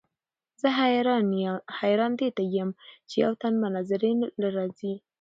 زۀ حېران دې ته يم چې يو تن مناظرې له راځي